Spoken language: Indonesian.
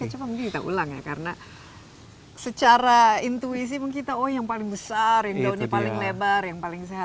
coba mungkin kita ulang ya karena secara intuisi mungkin kita oh yang paling besar yang daunnya paling lebar yang paling sehat